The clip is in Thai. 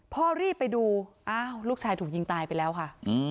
พ่อรีบไปดูอ้าวลูกชายถูกยิงตายไปแล้วค่ะ